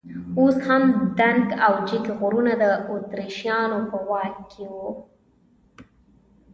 اوس هم دنګ او جګ غرونه د اتریشیانو په واک کې وو.